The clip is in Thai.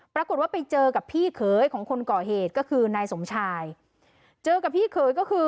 ปรากฏว่าไปเจอกับพี่เขยของคนก่อเหตุก็คือนายสมชายเจอกับพี่เขยก็คือ